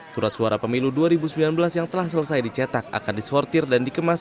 surat suara pemilu dua ribu sembilan belas yang telah selesai dicetak akan disortir dan dikemas